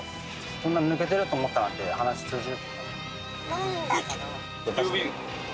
そんな、抜けてると思ったなんて話、通じる？